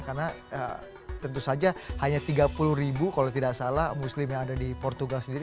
karena tentu saja hanya tiga puluh ribu kalau tidak salah muslim yang ada di portugal sendiri